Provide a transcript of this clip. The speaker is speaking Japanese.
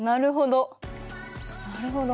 なるほど。